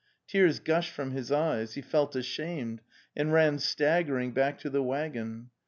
"' Tears gushed from his eyes; he felt ashamed, and ran staggering back to the waggon.